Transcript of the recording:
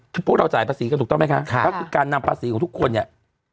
พวกเราจ่ายภาษีกันถูกต้องไหมคะก็คือการนำภาษีของทุกคนเนี่ย